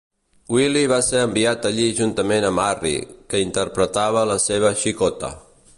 Willie va ser enviat allí juntament amb Harry, que interpretava la seva "xicota".